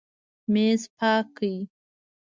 میز پاک کړئ